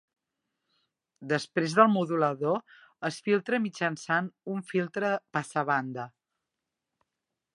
Després del modulador es filtra mitjançant un filtre passabanda.